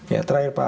ya terakhir pak